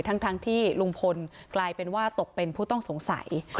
ทั้งที่ลุงพลกลายเป็นว่าตกเป็นผู้ต้องสงสัย